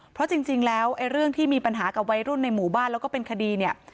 เพราะจริงแล้วไอ้เรื่องที่มีปัญหากับวัยรุ่นในหมู่บ้านแล้วก็เป็นคดีเนี่ย